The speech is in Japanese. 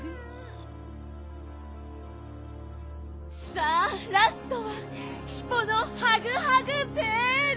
さあラストはヒポのハグハグヴェール！